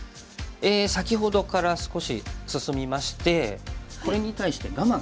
先ほどから少し進みましてこれに対して我慢。